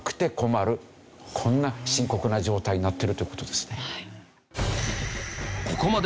こんな深刻な状態になってるという事ですね。